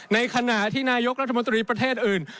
ในขณะที่นายกรัฐมนตรีประเทศอื่น